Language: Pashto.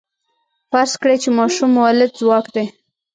فرض کړئ چې ماشوم مؤلده ځواک دی.